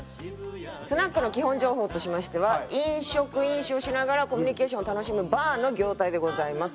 スナックの基本情報としましては飲食飲酒をしながらコミュニケーションを楽しむバーの業態でございます。